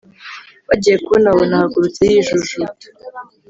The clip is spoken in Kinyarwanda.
bagiye kubona babona ahagurutse yijujuta